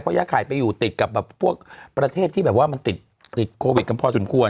ย่าไข่ไปอยู่ติดกับพวกประเทศที่แบบว่ามันติดโควิดกันพอสมควร